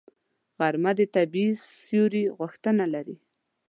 غرمه د طبیعي سیوري غوښتنه لري